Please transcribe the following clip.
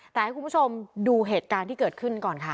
แต่ให้คุณผู้ชมดูเหตุการณ์ที่เกิดขึ้นก่อนค่ะ